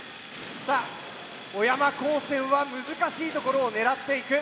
さあ小山高専は難しいところを狙っていく。